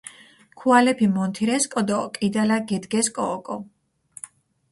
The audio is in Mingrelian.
ქუალეფი მონთირესკო დო კიდალა გედგესკო ოკო.